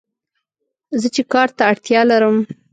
زه چې کار ته اړتیا لرم